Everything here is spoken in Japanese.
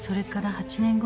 ８年後？